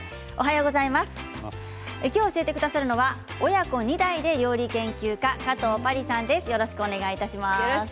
今日教えてくださるのは親子２代で料理研究家加藤巴里さんです。